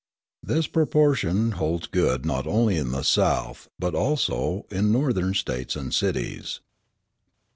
This proportion holds good not only in the South, but also in Northern States and cities.